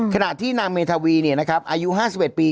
ขณะที่นางเมธาวีอายุ๕๑ปี